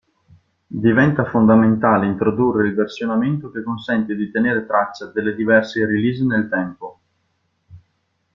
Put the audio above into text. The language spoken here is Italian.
Diventa fondamentale introdurre il versionamento che consente di tenere traccia delle diverse release nel tempo.